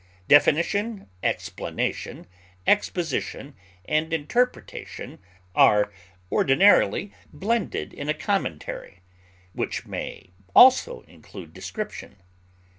Definition, explanation, exposition, and interpretation are ordinarily blended in a commentary, which may also include description.